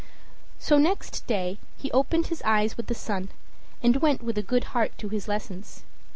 So next day he opened his eyes with the sun, and went with a good heart to his lessons.